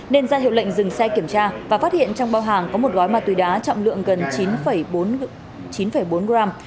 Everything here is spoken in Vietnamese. nên ra hiệu lệnh dừng xe kiểm tra và phát hiện trong bao hàng có một gói ma túy đá trọng lượng gần chín bốn gram